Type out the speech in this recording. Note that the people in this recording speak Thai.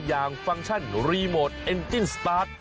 ฟังก์ชันรีโมทเอ็นจิ้นสตาร์ท